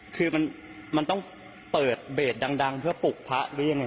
คือมันต้องเปิดเบสดังเพื่อปลุกพระหรือยังไง